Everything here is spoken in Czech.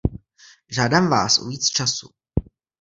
Žádám vás o víc času.